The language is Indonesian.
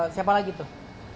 siapa lagi tuh